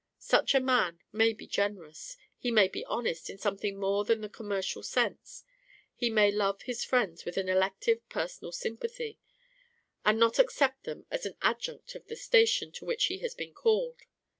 Such a man may be generous; he may be honest in something more than the commercial sense; he may love his friends with an elective, personal sympathy, and not accept them as an adjunct of the station to which he has been called.